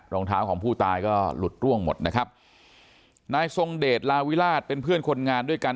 รองเท้าของผู้ตายก็หลุดร่วงหมดนะครับนายทรงเดชลาวิราชเป็นเพื่อนคนงานด้วยกัน